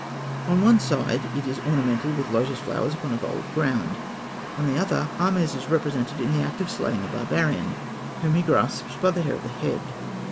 On one side, it is ornamented with lotus flowers upon a gold ground; on the other, Ahmes is represented in the act of slaying a barbarian, whom he grasps by the hair of the head.